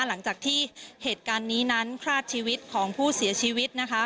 หลังจากที่เหตุการณ์นี้นั้นคราดชีวิตของผู้เสียชีวิตนะคะ